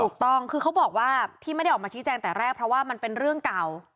ถูกต้องคือเขาบอกว่าที่ไม่ได้ออกมาชี้แจงแต่แรกเพราะว่ามันเป็นเรื่องเก่า